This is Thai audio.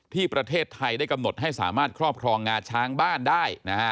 ที่ประเทศไทยได้กำหนดให้สามารถครอบครองงาช้างบ้านได้นะฮะ